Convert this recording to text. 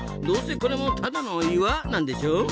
どうせこれもただの岩なんでしょ？